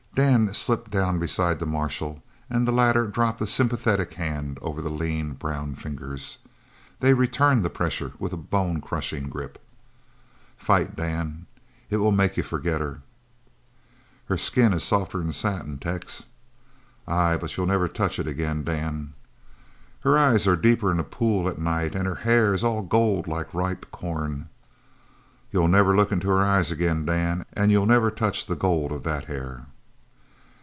Dan slipped down beside the marshal and the latter dropped a sympathetic hand over the lean, brown fingers. They returned the pressure with a bone crushing grip. "Fight, Dan! It will make you forget her." "Her skin is softer'n satin, Tex." "Ay, but you'll never touch it again, Dan." "Her eyes are deeper'n a pool at night an' her hair is all gold like ripe corn." "You'll never look into her eyes again, Dan, and you'll never touch the gold of that hair."